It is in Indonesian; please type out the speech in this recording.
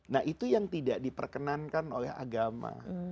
nah itu yang tidak diperkenankan oleh agama